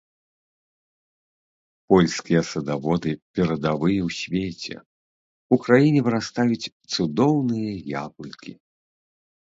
Польскія садаводы перадавыя ў свеце, у краіне вырастаюць цудоўныя яблыкі.